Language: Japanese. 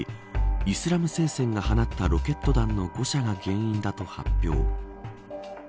イスラム聖戦が放ったロケット弾の誤射が原因だと発表。